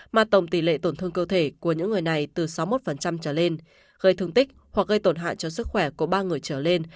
mà tổng tỷ lệ tổn thương cơ thể của những người này từ sáu mươi một trở lên gây thương tích hoặc gây tổn hại cho sức khỏe của ba người trở lên